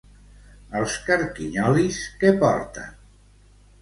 Els carquinyolis què porten?